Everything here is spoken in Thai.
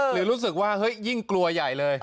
หรือรู้สึกว่าเฮ้ยยิ่งกลัวใหญ่เลย